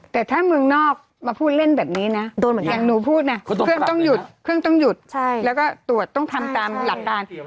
แต่ถ้าเมืองนอกมาพูดเล่นแบบนี้นะอย่างหนูพูดนะเครื่องต้องหยุดแล้วก็ตรวจต้องทำตามหลักการ